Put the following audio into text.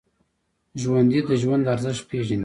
ژوندي د ژوند ارزښت پېژني